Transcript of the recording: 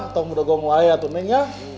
kita berdua ngelayat ya